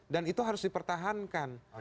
dan itu harus dipertahankan